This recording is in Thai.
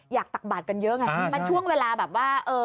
ตักบาดกันเยอะไงมันช่วงเวลาแบบว่า